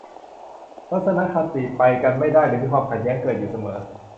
ทัศนคติไปกันไม่ได้หรือมีความขัดแย้งเกิดอยู่เสมอ